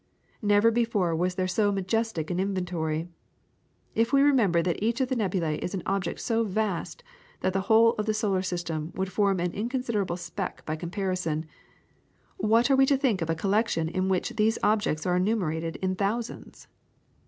Never before was there so majestic an inventory. If we remember that each of the nebulae is an object so vast, that the whole of the solar system would form an inconsiderable speck by comparison, what are we to think of a collection in which these objects are enumerated in thousands?